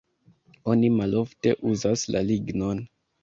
Oni malofte uzas la lignon.